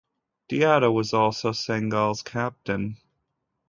Diatta was also Senegal's captain.